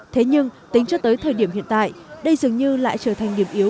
thế nhưng tính cho tới thời điểm hiện tại đây dường như lại trở thành điểm yếu